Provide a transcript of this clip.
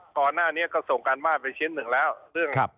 ก่อนหน้านี้ก็ส่งการบ้านไปชิ้นหนึ่งแล้วเรื่อง